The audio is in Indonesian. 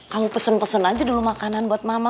kamu pesen pesen aja dulu makanan buat mama